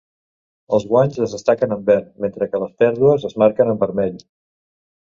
Els guanys es destaquen en verd, mentre que les pèrdues es marquen en vermell.